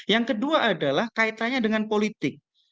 yang kedua adalah kaitannya dengan politik